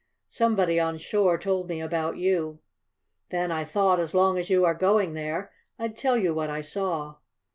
Somebody on shore told me about you. Then I thought, as long as you are going there, I'd tell you what I saw."